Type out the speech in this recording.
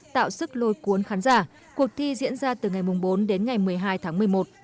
tạo sức lôi cuốn khán giả cuộc thi diễn ra từ ngày bốn đến ngày một mươi hai tháng một mươi một